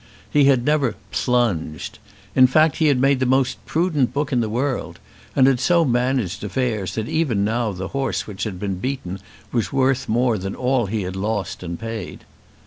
He had never "plunged." In fact he had made the most prudent book in the world; and had so managed affairs that even now the horse which had been beaten was worth more than all he had lost and paid.